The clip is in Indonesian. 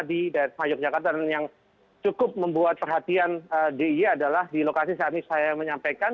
dan yang cukup membuat perhatian d i adalah di lokasi saat ini saya menyampaikan